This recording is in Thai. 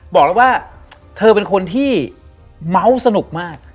บอกแล้วว่าเธอเป็นคนที่เมาส์สนุกมาก